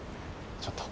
ちょっと。